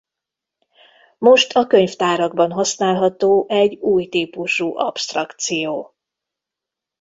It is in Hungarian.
Most a könyvtárakban használható egy új típusú absztrakció.